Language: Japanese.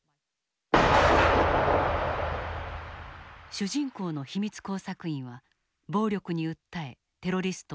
主人公の秘密工作員は暴力に訴えテロリストを尋問する。